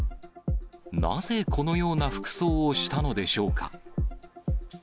なぜ、このような服装をしたのでしょうか。